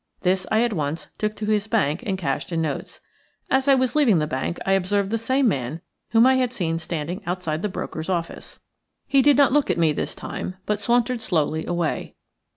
This I at once took to his bank and cashed in notes. As I was leaving the bank I observed the same man whom I had seen standing outside the broker's office. He did not look at me this time, but sauntered slowly by.